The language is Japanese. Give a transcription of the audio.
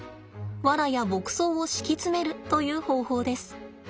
ワラや牧草を敷き詰めるという方法です。